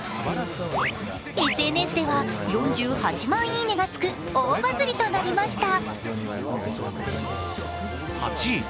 ＳＮＳでは４８万「いいね」がつく大バズりとなりました。